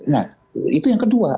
nah itu yang kedua